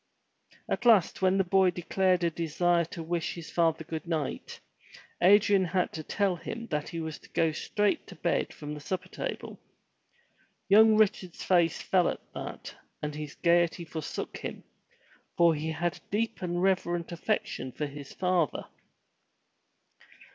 At last when the boy declared a desire to wish his father good night, Adrian had to tell him that he was to go straight to bed from the supper table. Young Richard's face fell at that and his gaiety forsook him, for he had a deep and reverent affection for his father.